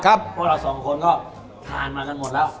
ครับพวกเราสองคนก็ทานมากันหมดแล้ว